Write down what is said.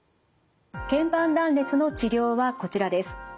けん板断裂の治療はこちらです。